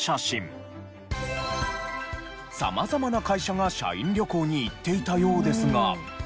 様々な会社が社員旅行に行っていたようですが。